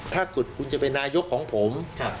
ถ้าเกิดคุณจะเป็นนายกของผม